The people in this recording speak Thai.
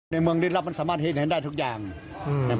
ในเมืองริรับมันสามารถให้เห็นได้ทุกอย่างอือ